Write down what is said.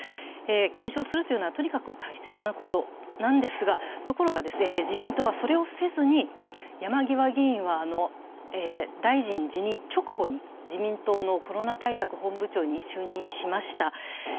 検証するというのはとにかく大切なことなんですが、ところが自民党はそれをせずに山際議員は、大臣辞任直後に自民党のコロナ対策本部長に就任しました。